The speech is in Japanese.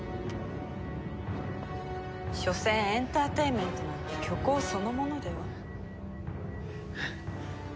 しょせんエンターテインメントなんて虚構そのものでは？